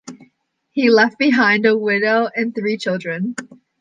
He left behind a widow and three children.